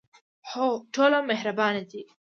هو، ټول مهربانه دي